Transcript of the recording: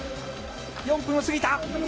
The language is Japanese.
４分を過ぎた。